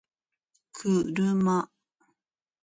kuruma